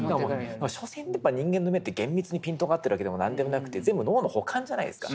所詮人間の目って厳密にピントが合ってるわけでも何でもなくて全部脳の補完じゃないですか。